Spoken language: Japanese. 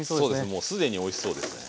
もうすでにおいしそうですね。